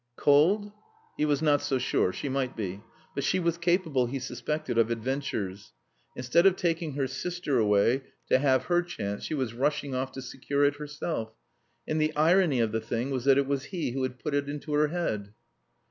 "Cold?" He was not so sure. She might be. But she was capable, he suspected, of adventures. Instead of taking her sister away to have her chance, she was rushing off to secure it herself. And the irony of the thing was that it was he who had put it into her head.